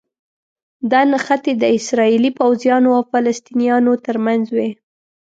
دا نښتې د اسراییلي پوځیانو او فلسطینیانو ترمنځ وي.